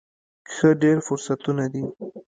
ښه، ډیر فرصتونه دي